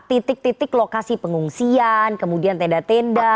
titik titik lokasi pengungsian kemudian tenda tenda